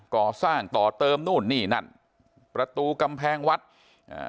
ก่อสร้างต่อเติมนู่นนี่นั่นประตูกำแพงวัดอ่า